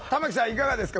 いかがですか？